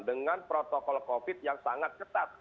dengan protokol covid yang sangat ketat